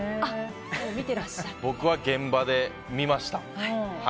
僕は現場で見ました。